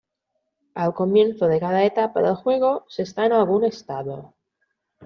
Al comienzo de cada etapa del juego se está en algún estado.